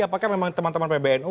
apakah memang teman teman pbnu